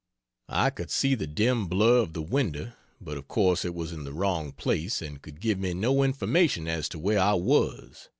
I could see the dim blur of the window, but of course it was in the wrong place and could give me no information as to where I was.